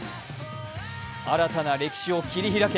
新たな歴史を切り開け。